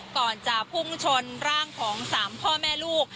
ก่อนจะพุ่งชนร่างของ๓พ่อแม่ลูก